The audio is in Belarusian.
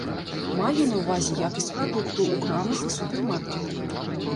Маю на ўвазе якасць прадуктаў у крамах і супермаркетах.